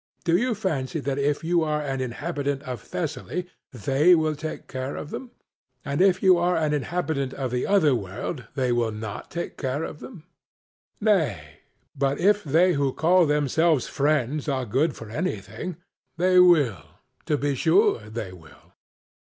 Do you fancy that if you are an inhabitant of Thessaly they will take care of them, and if you are an inhabitant of the other world that they will not take care of them? Nay; but if they who call themselves friends are good for anything, they will to be sure they will.